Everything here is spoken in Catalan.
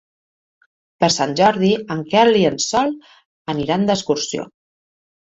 Per Sant Jordi en Quel i en Sol aniran d'excursió.